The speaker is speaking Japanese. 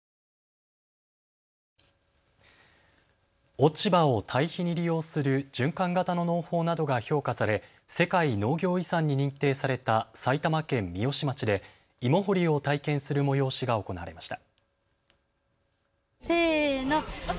落ち葉を堆肥に利用する循環型の農法などが評価され世界農業遺産に認定された埼玉県三芳町で芋掘りを体験する催しが行われました。